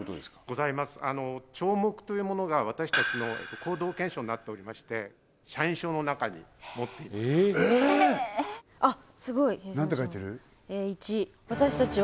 ございます帳目というものが私たちの行動憲章になっておりまして社員証の中に持っていますあっ